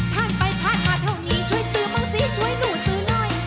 ทานไปทานมาเท่านี้ช่วยซื้อเมื่อสิช่วยหนูซื้อหน่อย